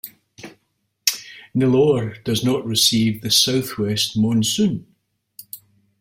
Nellore does not receive the south-west monsoon.